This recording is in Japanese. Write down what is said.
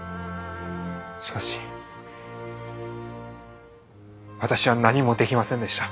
しかし私は何もできませんでした。